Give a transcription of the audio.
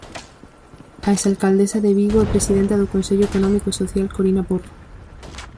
A exalcaldesa de Vigo e presidenta do Consello Económico e Social Corina Porro.